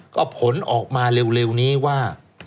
ก็ผลออกมาเร็วนี้ว่า